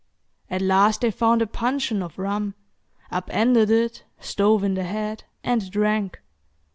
At last they found a puncheon of rum, upended it, stove in the head, and drank.